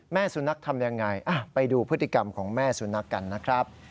สุนัขทำยังไงไปดูพฤติกรรมของแม่สุนัขกันนะครับ